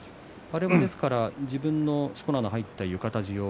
あれは自分のしこ名の入った浴衣地を。